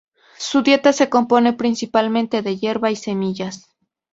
Su dieta se compone principalmente de hierba y semillas.